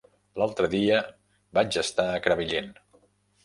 L'altre dia vaig estar a Crevillent.